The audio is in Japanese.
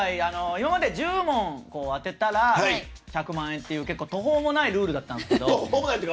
今まで１０問を当てたら１００万円って途方もないルールだったんですけど。